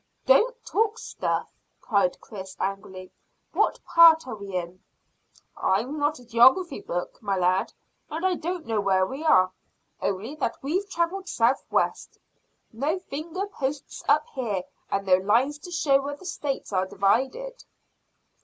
"Don't talk stuff!" cried Chris angrily. "What part are we in?" "I'm not a geography book, my lad, and I don't know where we are, only that we've travelled south west. No finger posts up here and no lines to show where the States are divided."